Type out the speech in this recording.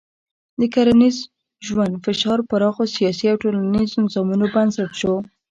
د کرنیز ژوند فشار پراخو سیاسي او ټولنیزو نظامونو بنسټ شو.